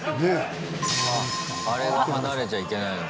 あ、あれが離れちゃいけないの。